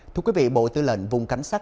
thưa quý vị bộ tư lệnh vùng cảnh sát